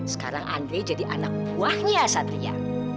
sekarang andre jadi anak buahnya satria